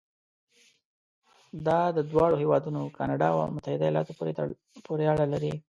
دا د دواړو هېوادونو کانادا او متحده ایالاتو پورې اړه لري.